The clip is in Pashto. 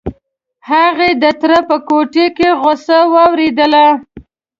هغې د تره په کوټه کې غوسه واورېدله.